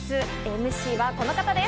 ＭＣはこの方です！